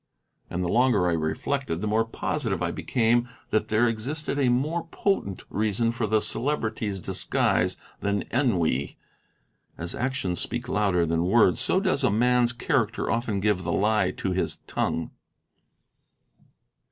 And the longer I reflected, the more positive I became that there existed a more potent reason for the Celebrity's disguise than ennui. As actions speak louder than words, so does a man's character often give the lie to his tongue.